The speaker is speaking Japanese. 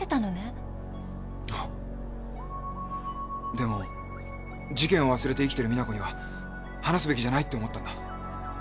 でも事件を忘れて生きてる実那子には話すべきじゃないって思ったんだ。